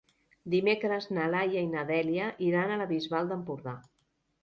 Dimecres na Laia i na Dèlia iran a la Bisbal d'Empordà.